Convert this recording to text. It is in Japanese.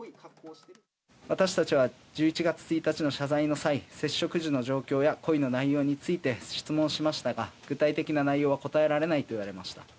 私たちは１１月１日の謝罪の際接触時の状況や行為の内容について質問しましたが具体的な内容は答えられないと言われました。